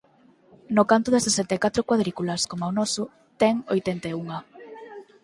No canto de sesenta e catro cuadrículas, coma o noso, ten oitenta e unha.